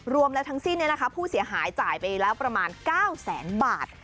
รวมแล้วทั้งสิ้นผู้เสียหายจ่ายไปแล้วประมาณ๙แสนบาท